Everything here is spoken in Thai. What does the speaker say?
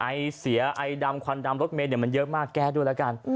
ไอเสียไอดำควันดำรถเมย์มันเยอะมากแก้ด้วยแล้วกัน